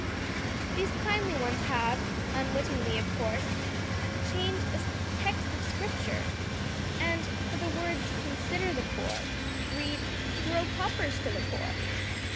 These kindly ones have, unwittingly of course, changed a text of Scripture, and, for the words "consider the poor," read "throw coppers to the poor!"